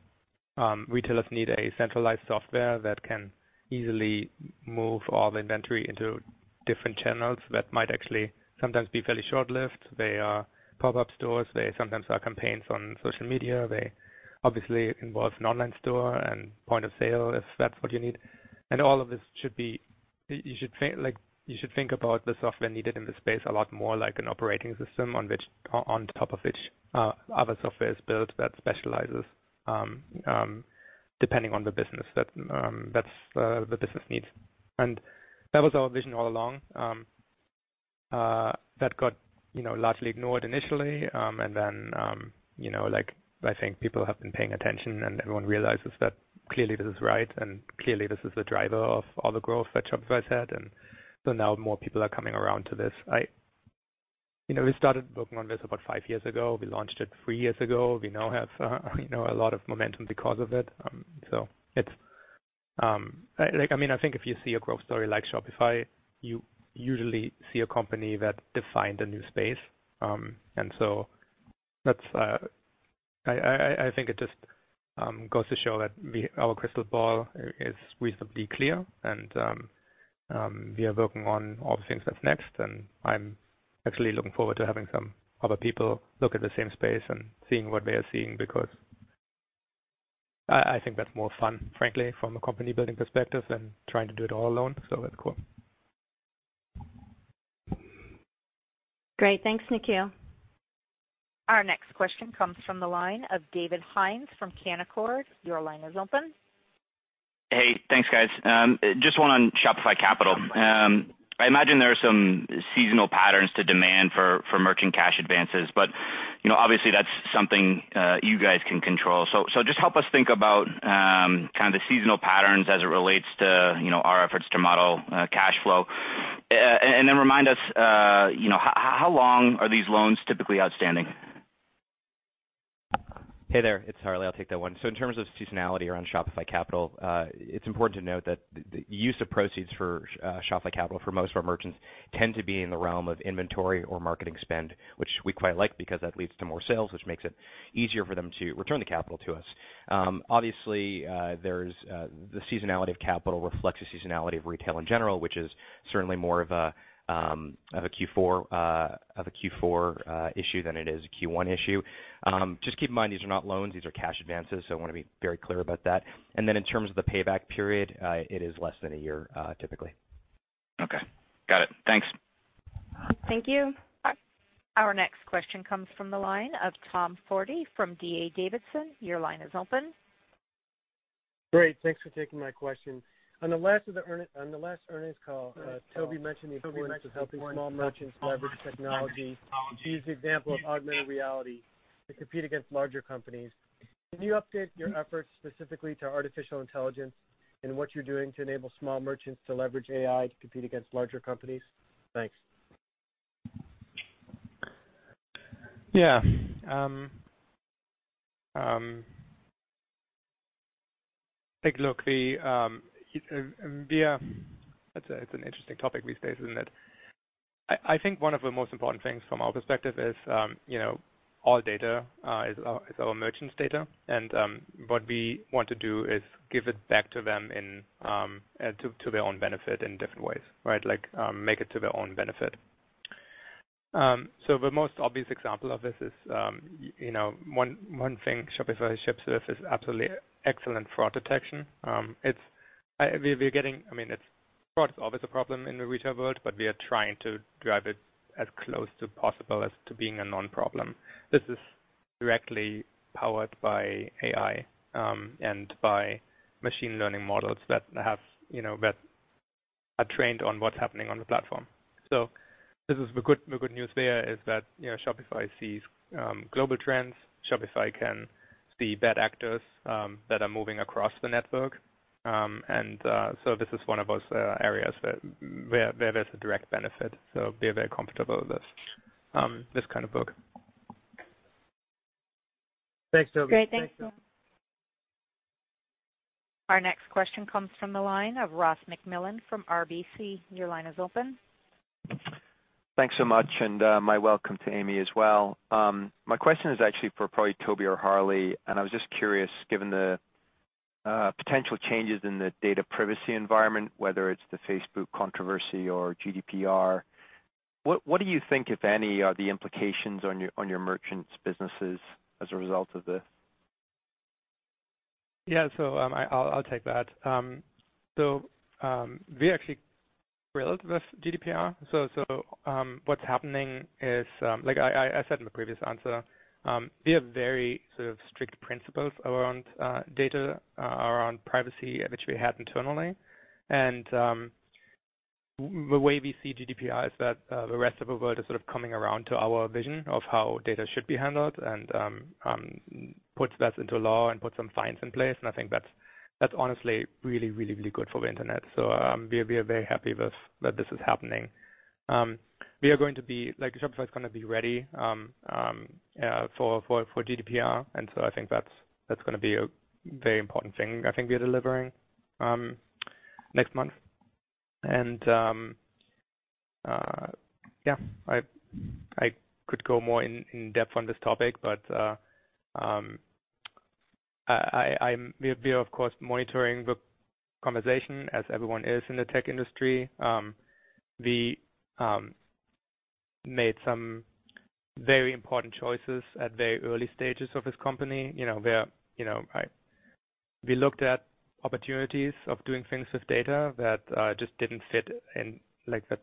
retailers need a centralized software that can easily move all the inventory into different channels that might actually sometimes be fairly short-lived. They are pop-up stores. They sometimes are campaigns on social media. They obviously involve an online store and point of sale, if that's what you need. All of this should be, you should think, like, you should think about the software needed in this space a lot more like an operating system on which, on top of which, other software is built that specializes, depending on the business that the business needs. That was our vision all along. That got, you know, largely ignored initially. You know, like, I think people have been paying attention, and everyone realizes that clearly this is right, and clearly this is the driver of all the growth that Shopify's had. Now more people are coming around to this. I, you know, we started working on this about five years ago. We launched it three years ago. We now have, you know, a lot of momentum because of it. It's, like, I mean, I think if you see a growth story like Shopify, you usually see a company that defined a new space. That's, I, I think it just goes to show that we, our crystal ball is reasonably clear and we are working on all the things that's next. I'm actually looking forward to having some other people look at the same space and seeing what they are seeing, because I think that's more fun, frankly, from a company-building perspective than trying to do it all alone. That's cool. Great. Thanks, Nikhil. Our next question comes from the line of David Hynes from Canaccord. Your line is open. Hey, thanks guys. Just one on Shopify Capital. I imagine there are some seasonal patterns to demand for merchant cash advances, but, you know, obviously that's something you guys can control. Just help us think about kinda the seasonal patterns as it relates to, you know, our efforts to model cash flow. And then remind us, you know, how long are these loans typically outstanding? Hey there, it's Harley. I'll take that one. In terms of seasonality around Shopify Capital, it's important to note that the use of proceeds for Shopify Capital for most of our merchants tend to be in the realm of inventory or marketing spend, which we quite like because that leads to more sales, which makes it easier for them to return the capital to us. Obviously, there's the seasonality of capital reflects the seasonality of retail in general, which is certainly more of a Q4 issue than it is a Q1 issue. Just keep in mind these are not loans, these are cash advances, so I wanna be very clear about that. In terms of the payback period, it is less than a year typically. Okay. Got it. Thanks. Thank you. Our next question comes from the line of Tom Forte from D.A. Davidson. Your line is open. Great, thanks for taking my question. On the last earnings call, Tobi mentioned the importance of helping small merchants leverage technology. He used the example of augmented reality to compete against larger companies. Can you update your efforts specifically to artificial intelligence and what you're doing to enable small merchants to leverage AI to compete against larger companies? Thanks. Yeah. Take a look. That's a, it's an interesting topic these days, isn't it? I think one of the most important things from our perspective is, you know, all data is our merchants' data. What we want to do is give it back to them in their own benefit in different ways, right? Like, make it to their own benefit. The most obvious example of this is, you know, one thing Shopify ships with is absolutely excellent fraud detection. We're getting, I mean, fraud is always a problem in the retail world, but we are trying to drive it as close to possible as to being a non-problem. This is directly powered by AI, and by machine learning models that have, you know, that are trained on what's happening on the platform. This is the good, the good news there, is that, you know, Shopify sees global trends. Shopify can see bad actors that are moving across the network. This is one of those areas where there's a direct benefit. We're very comfortable with this kind of work. Thanks, Tobi. Great. Thanks so much. Our next question comes from the line of Ross MacMillan from RBC. Your line is open. Thanks so much. My welcome to Amy as well. My question is actually for probably Tobi or Harley. I was just curious, given the potential changes in the data privacy environment, whether it's the Facebook controversy or GDPR, what do you think, if any, are the implications on your merchants' businesses as a result of this? Yeah. I'll take that. We actually thrilled with GDPR. What's happening is, like I said in the previous answer, we have very sort of strict principles around data, around privacy, which we had internally. Way we see GDPR is that the rest of the world is sort of coming around to our vision of how data should be handled and puts that into law and puts some fines in place. I think that's honestly really good for the internet. We are very happy with that this is happening. We are going to be, like, Shopify's gonna be ready for GDPR. I think that's gonna be a very important thing I think we're delivering next month. Yeah, I could go more in depth on this topic, but, I'm, we are of course monitoring the conversation as everyone is in the tech industry. We made some very important choices at very early stages of this company. You know, we are, you know, We looked at opportunities of doing things with data that just didn't fit in, like that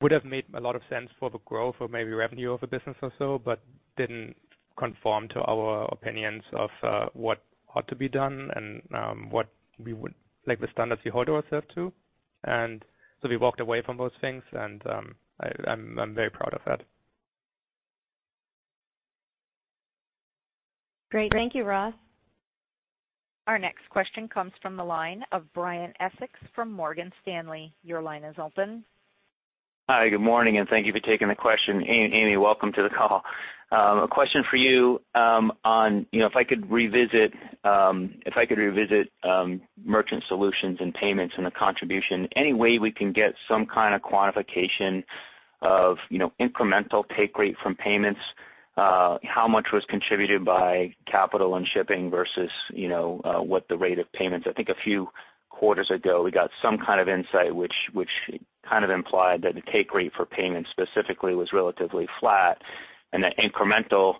would have made a lot of sense for the growth or maybe revenue of a business or so, but didn't conform to our opinions of what ought to be done and what we would, like the standards we hold ourselves to. We walked away from those things, and I'm very proud of that. Great. Thank you, Ross. Our next question comes from the line of Brian Essex from Morgan Stanley. Your line is open. Hi, good morning, and thank you for taking the question. Amy, welcome to the call. A question for you, on, you know, if I could revisit merchant solutions and payments and the contribution. Any way we can get some kind of qualification of, you know, incremental take rate from payments, how much was contributed by capital and shipping versus, you know, what the rate of payments? I think a few quarters ago, we got some kind of insight which kind of implied that the take rate for payments specifically was relatively flat. And the incremental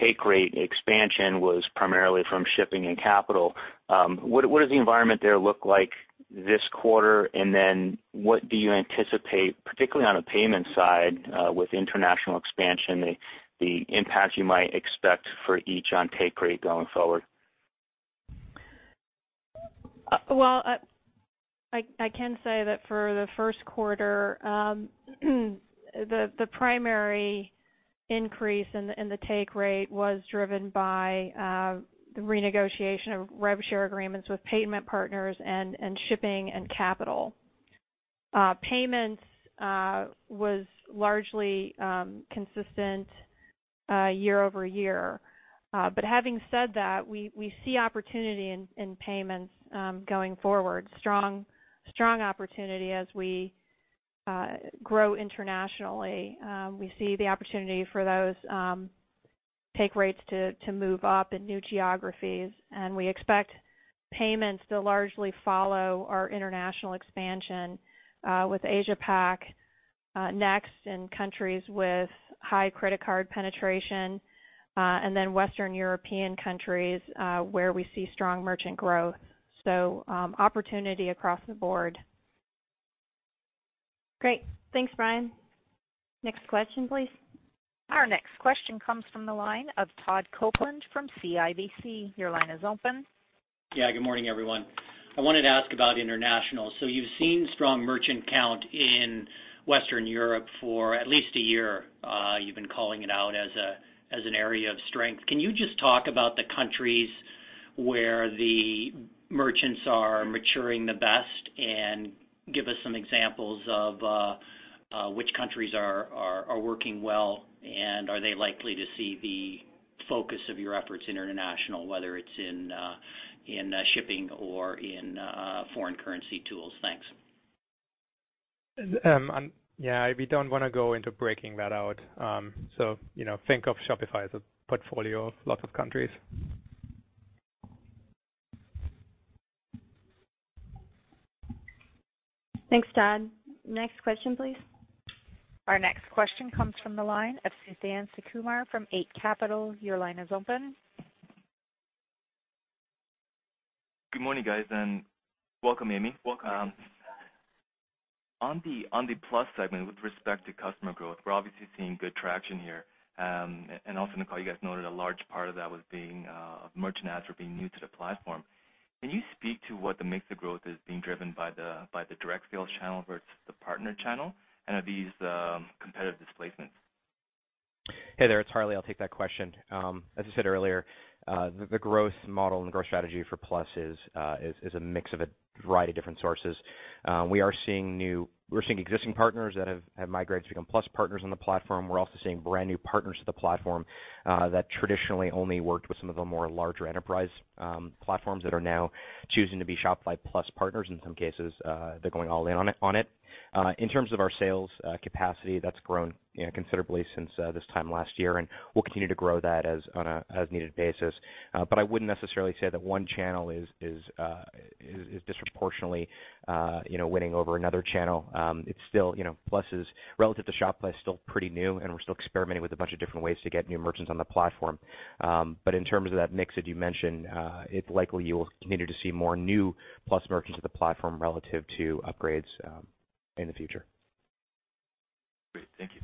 take rate expansion was primarily from shipping and capital. What does the environment there look like this quarter? Then what do you anticipate, particularly on the payment side, with international expansion, the impact you might expect for each on take rate going forward? I can say that for the first quarter, the primary increase in the take rate was driven by the renegotiation of revshare agreements with payment partners and shipping and Capital. Payments was largely consistent year-over-year. Having said that, we see opportunity in payments going forward. Strong opportunity as we grow internationally. We see the opportunity for those take rates to move up in new geographies. We expect payments to largely follow our international expansion with Asia-Pac next in countries with high credit card penetration and then Western European countries where we see strong merchant growth. Opportunity across the board. Great. Thanks, Brian. Next question, please. Our next question comes from the line of Todd Coupland from CIBC. Your line is open. Yeah. Good morning, everyone. I wanted to ask about international. You've seen strong merchant count in Western Europe for at least a year. You've been calling it out as a, as an area of strength. Can you just talk about the countries where the merchants are maturing the best and give us some examples of which countries are working well, and are they likely to see the focus of your efforts in international, whether it's in shipping or in foreign currency tools? Thanks. Yeah, we don't wanna go into breaking that out. You know, think of Shopify as a portfolio of lots of countries. Thanks, Todd. Next question, please. Our next question comes from the line of Suthan Sukumar from Eight Capital. Your line is open. Good morning, guys, and welcome, Amy. Welcome. On the Plus segment, with respect to customer growth, we're obviously seeing good traction here. I recall, you guys noted a large part of that was being of merchant ads were being new to the platform. Can you speak to what the mix of growth is being driven by the direct sales channel versus the partner channel? Are these competitive displacements? Hey there, it's Harley. I'll take that question. As I said earlier, the growth model and growth strategy for Plus is a mix of a variety of different sources. We're seeing existing partners that have migrated to become Plus partners on the platform. We're also seeing brand-new partners to the platform that traditionally only worked with some of the more larger enterprise platforms that are now choosing to be Shopify Plus partners. In some cases, they're going all in on it. In terms of our sales capacity, that's grown, you know, considerably since this time last year, and we'll continue to grow that on an as-needed basis. I wouldn't necessarily say that one channel is disproportionately, you know, winning over another channel. It's still, you know, Plus is, relative to Shopify, is still pretty new, and we're still experimenting with a bunch of different ways to get new merchants on the platform. In terms of that mix that you mentioned, it's likely you will continue to see more new Plus merchants to the platform relative to upgrades, in the future. Great. Thank you.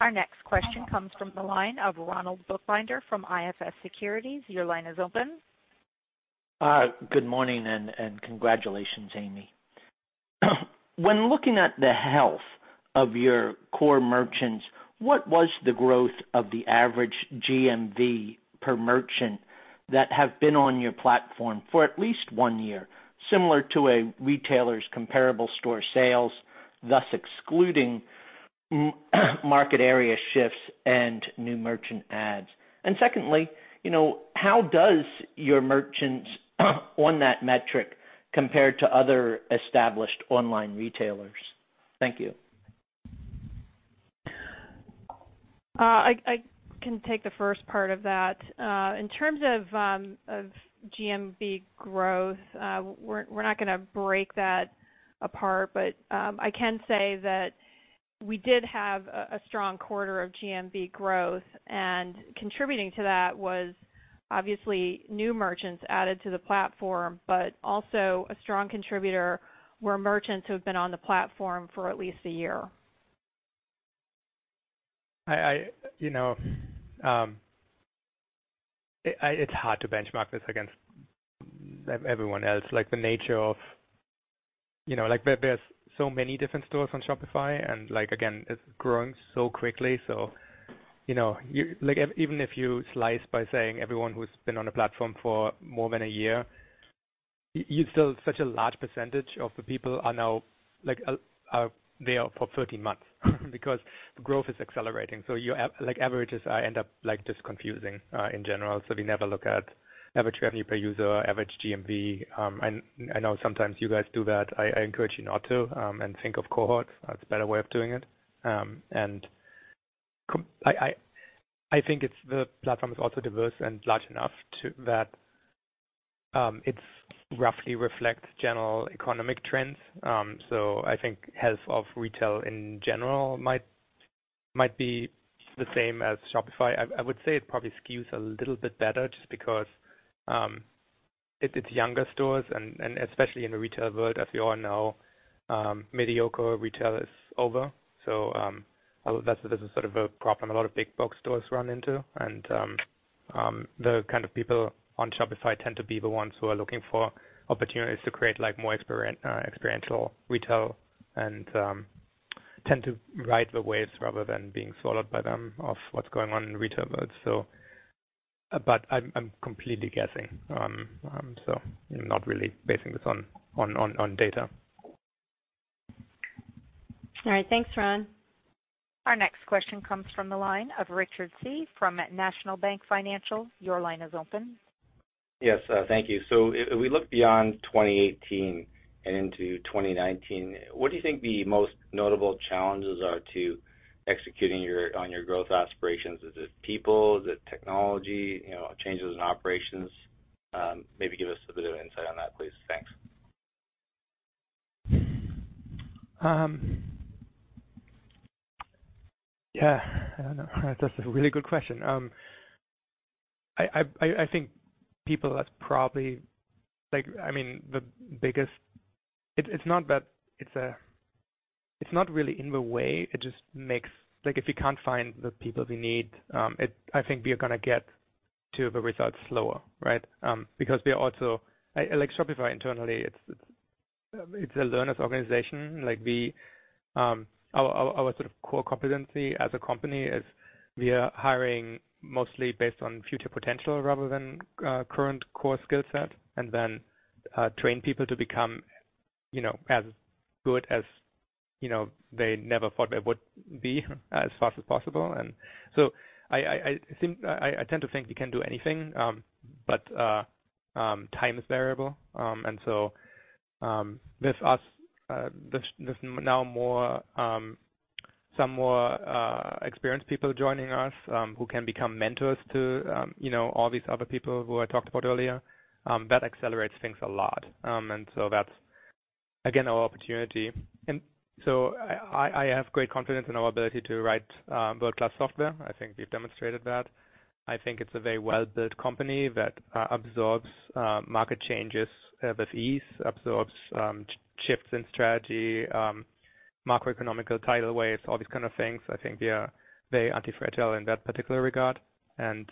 Our next question comes from the line of Ronald Bookbinder from IFS Securities. Your line is open. Good morning and congratulations, Amy. When looking at the health of your core merchants, what was the growth of the average GMV per merchant that have been on your platform for at least one year, similar to a retailer's comparable store sales, thus excluding market area shifts and new merchant ads? Secondly, you know, how does your merchants on that metric compare to other established online retailers? Thank you. I can take the first part of that. In terms of GMV growth, we're not gonna break that apart, but I can say that we did have a strong quarter of GMV growth, and contributing to that was obviously new merchants added to the platform, but also a strong contributor were merchants who have been on the platform for at least one year. I, you know, it's hard to benchmark this against everyone else, like the nature of, you know, like there's so many different stores on Shopify, and like, again, it's growing so quickly. You know, even if you slice by saying everyone who's been on the platform for more than one year, you've still such a large percentage of the people are now, like, are there for 13 months because the growth is accelerating. You have, like, averages end up, like, just confusing in general. We never look at average revenue per user, average GMV. I know sometimes you guys do that. I encourage you not to, think of cohorts. That's a better way of doing it. I think it's, the platform is also diverse and large enough to it's roughly reflects general economic trends. I think health of retail in general might be the same as Shopify. I would say it probably skews a little bit better just because it's the younger stores and especially in the retail world, as we all know, mediocre retail is over. This is sort of a problem a lot of big book stores run into. The kind of people on Shopify tend to be the ones who are looking for opportunities to create like more experiential retail and tend to ride the waves rather than being swallowed by them of what's going on in retail world. I'm completely guessing not really basing this on data. All right. Thanks, Ron. Our next question comes from the line of Richard Tse from National Bank Financial. Yes, thank you. If we look beyond 2018 and into 2019, what do you think the most notable challenges are to executing your, on your growth aspirations? Is it people? Is it technology? You know, changes in operations? maybe give us a bit of insight on that, please. Thanks. Yeah, I don't know. That's a really good question. I think people are probably like, I mean, the biggest It, it's not that it's not really in the way, it just makes Like, if we can't find the people we need, I think we are gonna get to the results slower, right? Because we are also, like Shopify internally, it's a learner's organization. Like we, our sort of core competency as a company is we are hiring mostly based on future potential rather than, current core skill set, and then, train people to become, you know, as good as, you know, they never thought they would be as fast as possible. I think, I tend to think we can do anything. Time is variable. With us, there's now more some more experienced people joining us, who can become mentors to, you know, all these other people who I talked about earlier, that accelerates things a lot. That's again, our opportunity. I have great confidence in our ability to write world-class software. I think we've demonstrated that. I think it's a very well-built company that absorbs market changes with ease, absorbs shifts in strategy, macroeconomic tidal waves, all these kind of things. I think we are very anti-fragile in that particular regard. Again,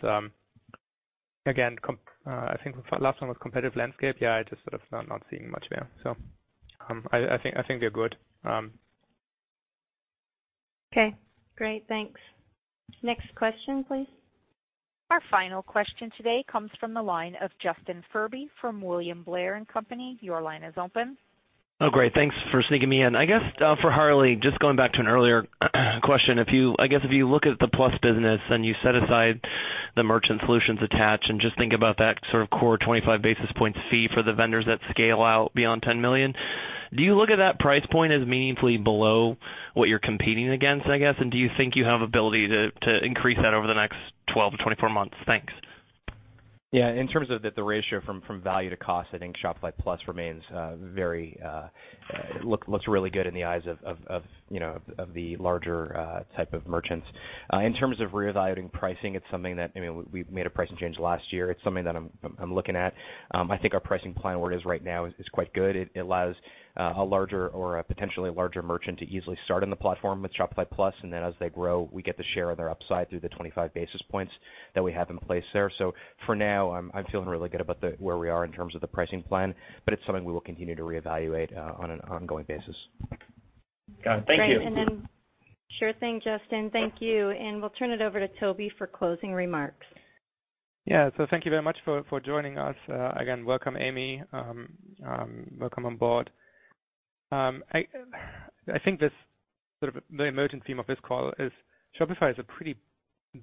I think the last one was competitive landscape. Yeah, I just sort of not seeing much there. I think we're good. Um. Okay, great. Thanks. Next question, please. Our final question today comes from the line of Justin Furby from William Blair & Company. Your line is open. Oh, great. Thanks for sneaking me in. I guess, for Harley Finkelstein, just going back to an earlier question. I guess if you look at the Shopify Plus business and you set aside the merchant solutions attached and just think about that sort of core 25 bps fee for the vendors that scale out beyond 10 million, do you look at that price point as meaningfully below what you're competing against, I guess? Do you think you have ability to increase that over the next 12-24 months? Thanks. Yeah. In terms of the ratio from value to cost, I think Shopify Plus remains very, looks really good in the eyes of, you know, of the larger type of merchants. In terms of reevaluating pricing, it's something that, I mean, we've made a pricing change last year. It's something that I'm looking at. I think our pricing plan where it is right now is quite good. It allows a larger or a potentially larger merchant to easily start on the platform with Shopify Plus, and then as they grow, we get to share their upside through the 25 bps that we have in place there. For now, I'm feeling really good about where we are in terms of the pricing plan, but it's something we will continue to reevaluate on an ongoing basis. Got it. Thank you. Great. Yeah. Sure thing, Justin. Thank you. We'll turn it over to Tobi for closing remarks. Thank you very much for joining us. Again, welcome, Amy. Welcome on board. I think this sort of the emerging theme of this call is Shopify is a pretty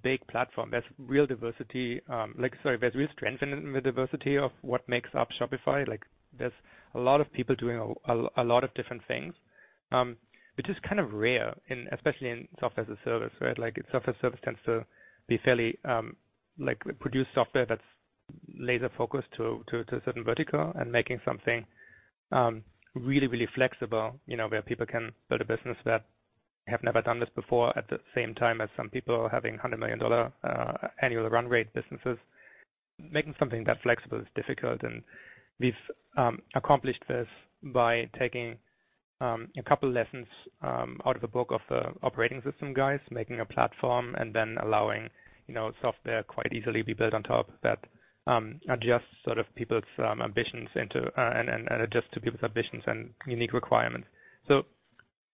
big platform. There's real diversity, like, sorry, there's real strength in the diversity of what makes up Shopify. Like, there's a lot of people doing a lot of different things, which is kind of rare in, especially in software as a service, right? Like, software service tends to be fairly, like produce software that's laser focused to a certain vertical and making something really, really flexible, you know, where people can build a business that have never done this before at the same time as some people are having $100 million annual run rate businesses. Making something that flexible is difficult, and we've accomplished this by taking a couple lessons out of the book of the operating system guys, making a platform and then allowing, you know, software quite easily be built on top that adjust sort of people's ambitions into and adjust to people's ambitions and unique requirements.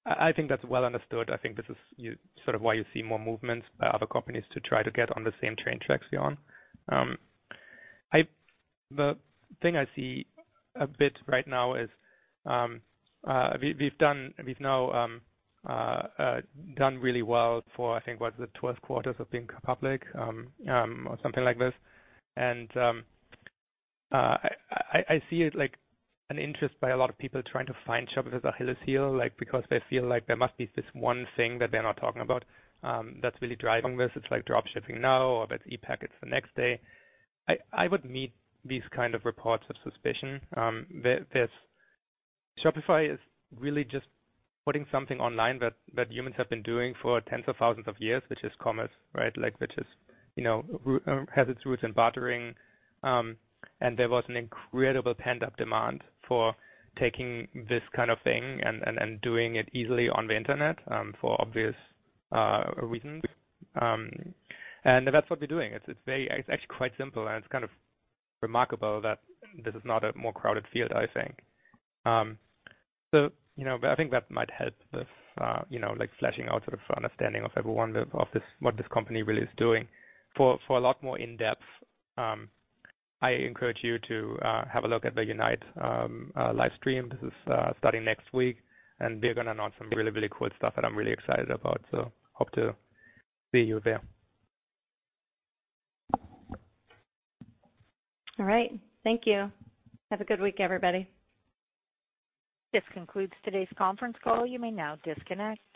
I think that's well understood. I think this is sort of why you see more movements by other companies to try to get on the same train tracks we're on. The thing I see a bit right now is we've now done really well for I think, what, the 12th quarter of being public or something like this. I see it like an interest by a lot of people trying to find Shopify's Achilles heel, like, because they feel like there must be this one thing that they're not talking about, that's really driving this. It's like drop shipping now, or if it's ePacket, it's the next day. I would meet these kind of reports of suspicion. There's Shopify is really just putting something online that humans have been doing for tens of thousands of years, which is commerce, right? Like, which is, you know, has its roots in bartering. There was an incredible pent-up demand for taking this kind of thing and doing it easily on the Internet, for obvious reasons. That's what we're doing. It's very, it's actually quite simple, and it's kind of remarkable that this is not a more crowded field, I think. You know, but I think that might help this, you know, like fleshing out sort of understanding of everyone that, of this, what this company really is doing. For a lot more in-depth, I encourage you to have a look at the Unite live stream. This is starting next week, and we're gonna announce some really, really cool stuff that I'm really excited about. Hope to see you there. All right. Thank you. Have a good week, everybody. This concludes today's conference call. You may now disconnect.